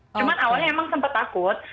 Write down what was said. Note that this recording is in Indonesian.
cuman awalnya emang sempat takut